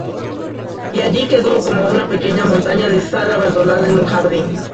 Y allí quedó, como una "pequeña montaña de sal abandonada en un jardín".